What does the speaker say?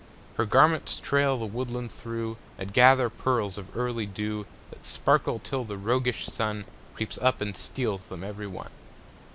Her garments trail the woodland through, And gather pearls of early dew That sparkle till the roguish Sun Creeps up and steals them every one.